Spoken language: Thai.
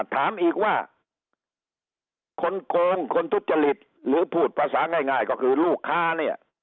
ถามอีกว่าคนโกงคนทุจริตหรือพูดภาษาง่ายก็คือลูกค้าเนี่ย